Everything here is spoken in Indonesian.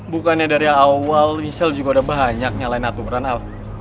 bukannya dari awal michelle juga udah banyak nyalain aturan al